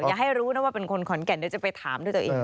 อย่าให้รู้นะว่าเป็นคนขอนแก่นเดี๋ยวจะไปถามด้วยตัวเอง